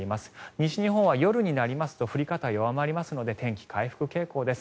西日本は夜になりますと降り方、弱まりますので天気、回復傾向です。